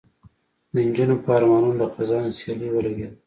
د نجونو په ارمانونو د خزان سیلۍ ولګېده